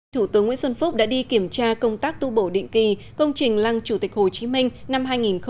thủ tướng nguyễn xuân phúc đã đi kiểm tra công tác tu bổ định kỳ công trình lăng chủ tịch hồ chí minh năm hai nghìn hai mươi